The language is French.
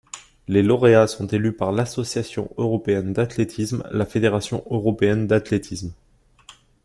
Les lauréats sont élus par l'Association européenne d'athlétisme, la fédération européenne d'athlétisme.